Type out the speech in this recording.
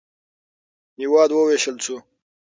هېواد ووېشل شو.